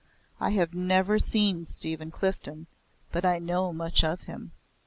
I have never seen Stephen Clifden but I know much of him.